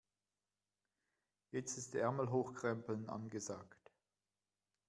Jetzt ist Ärmel hochkrempeln angesagt.